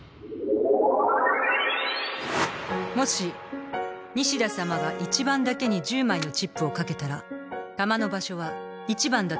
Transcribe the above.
もし西田さまが１番だけに１０枚のチップを賭けたら玉の場所は１番だと分かってしまいます。